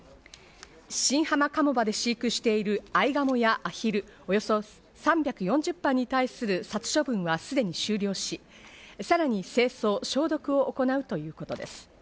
新浜鴨場で飼育しているアイガモやアヒル、およそ３４０羽に対する殺処分がすでに終了し、さらに清掃・消毒を行うということです。